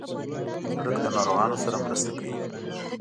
سړک له ناروغانو سره مرسته کوي.